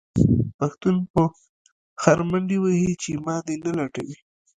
پښتون په خر منډې وهې چې ما دې نه لټوي.